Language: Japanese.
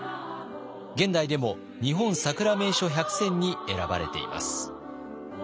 現代でも「日本さくら名所１００選」に選ばれています。